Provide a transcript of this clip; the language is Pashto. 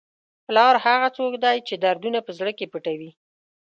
پلار هغه څوک دی چې دردونه په زړه کې پټوي.